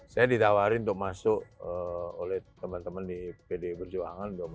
saya ditawari untuk masuk oleh teman teman di pdi perjuangan